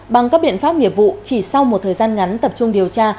bằng các biện pháp nghiệp vụ chỉ sau một thời gian ngắn tập trung điều tra